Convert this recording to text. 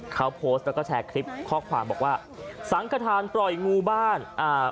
เขาโพสต์แล้วก็แชร์คลิปข้อความบอกว่าสังขทานปล่อยงูบ้านอ่า